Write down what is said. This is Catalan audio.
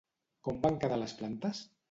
Com van quedar les plantes?